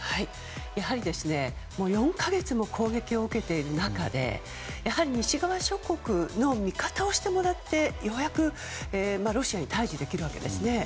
やはり、もう４か月も攻撃を受けている中で西側諸国の味方をしてもらってようやく、ロシアに対峙できるわけですね。